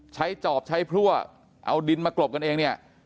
ใช้จอบใช้พลั่วเอาดินมากรบกันเอง